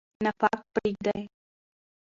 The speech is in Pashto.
نفاق پریږدئ.